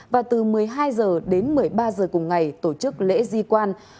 và từ một mươi hai giờ đến một mươi ba giờ cùng ngày tổ chức lễ di quan